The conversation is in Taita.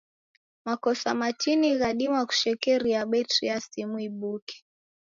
Makosa matini ghadima kushekeria betri ya simu ibuke.